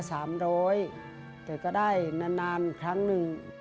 แต่ก็ได้นานครั้งนึง